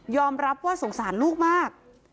รับว่าสงสารลูกมาก